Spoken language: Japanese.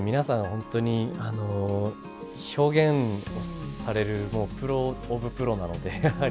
本当に表現をされるもうプロオブプロなのでやはり。